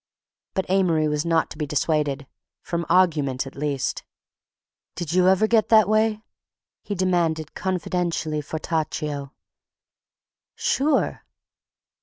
But Amory was not to be dissuaded, from argument at least. "Did you ever get that way?" he demanded confidentially fortaccio. "Sure!"